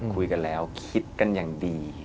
คุยกันแล้วคิดกันอย่างดี